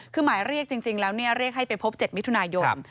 คือหมายเรียกจริงแล้วเรียกให้ไปพบ๗มิถุนายน